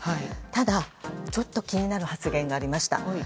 ただ、ちょっと気になる発言がありました。